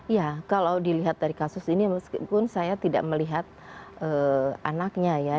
ya kalau dilihat dari kasus ini meskipun saya tidak melihat anaknya ya